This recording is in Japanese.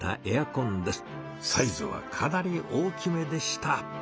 サイズはかなり大きめでした。